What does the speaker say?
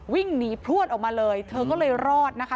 วิ่งหนีพลวดออกมาเลยเธอก็เลยรอดนะคะ